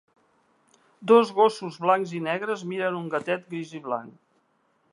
Dos gossos blancs i negres miren un gatet gris i blanc.